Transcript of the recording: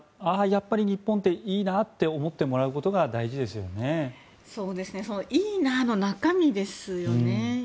やっぱり日本っていいなって思ってもらうことがいいなの中身ですよね。